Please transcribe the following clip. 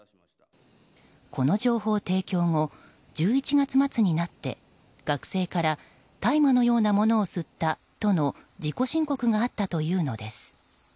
この情報提供後１１月末になって学生から大麻のようなものを吸ったとの自己申告があったというのです。